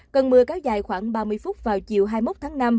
cần mưa cao dài khoảng ba mươi phút vào chiều hai mươi một tháng năm